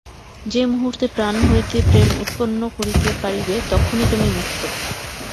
যে মুহূর্তে প্রাণ হইতে প্রেম উৎপন্ন করিতে পারিবে, তখনই তুমি মুক্ত।